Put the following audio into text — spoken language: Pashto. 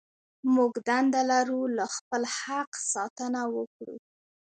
موږ دنده لرو له خپل حق ساتنه وکړو.